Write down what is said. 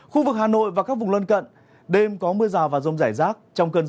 khu vực hà nội và các vùng lân cận đêm có mưa rào và rông rải rác